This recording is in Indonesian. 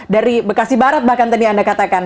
dari bekasi barat bahkan tadi anda katakan